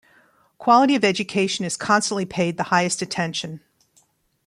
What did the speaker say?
Quality of education is constantly paid the highest attention.